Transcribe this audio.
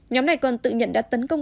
nhóm này còn tự nhận đã tấn công